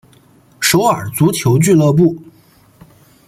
首尔足球俱乐部。